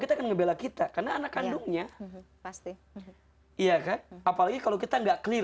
kita akan ngebela kita karena anak kandungnya pasti iya kan apalagi kalau kita enggak clear